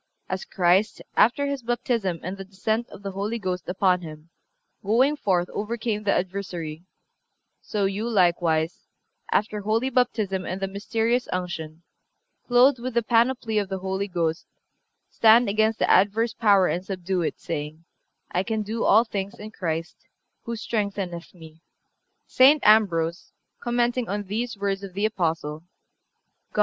As Christ, after His baptism and the descent of the Holy Ghost upon Him, going forth overcame the adversary, so you likewise, after holy baptism and the mysterious unction, clothed with the panoply of the Holy Ghost, stand against the adverse power and subdue it, saying: 'I can do all things in Christ, who strengtheneth me.' "(361) St. Ambrose, commenting on these words of the Apostle, "God